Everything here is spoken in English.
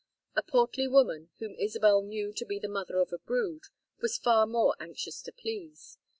A portly woman, whom Isabel knew to be the mother of a brood, was far more anxious to please.